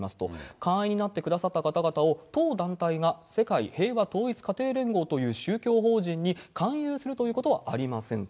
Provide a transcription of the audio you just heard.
会員になってくださった方々を当団体が世界平和統一家庭連合という宗教法人に勧誘するということはありませんと。